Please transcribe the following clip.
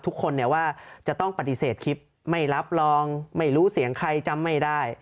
ทุกคนเนี่ยว่าจะต้องปฏิเสธคลิปไม่รับรองไม่รู้เสียงใครจำไม่ได้